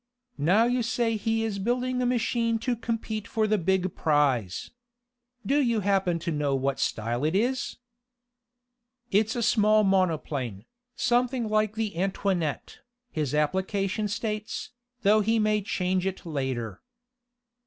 Now you say he is building a machine to compete for the big prize. Do you happen to know what style it is?" "It's a small monoplane, something like the Antoinette, his application states, though he may change it later."